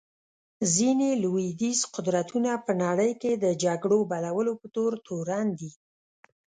ځینې لوېدیځ قدرتونه په نړۍ کې د جګړو بلولو په تور تورن دي.